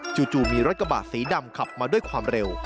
จู่มีรถกระบะสีดำขับมาด้วยความเร็ว